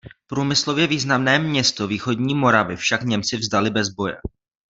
Průmyslově významné město východní Moravy však Němci vzdali bez boje.